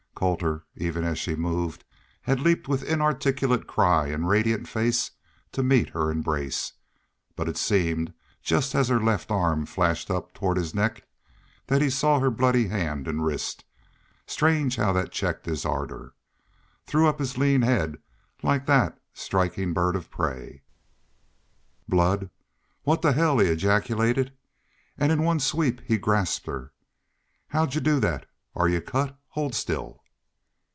Colter, even as she moved, had leaped with inarticulate cry and radiant face to meet her embrace. But it seemed, just as her left arm flashed up toward his neck, that he saw her bloody hand and wrist. Strange how that checked his ardor threw up his lean head like that striking bird of prey. "Blood! What the hell!" he ejaculated, and in one sweep he grasped her. "How'd yu do that? Are y'u cut? ... Hold still."